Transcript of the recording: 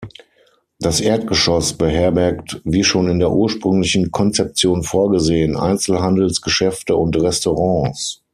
Das Erdgeschoss beherbergt wie schon in der ursprünglichen Konzeption vorgesehen Einzelhandelsgeschäfte und Restaurants.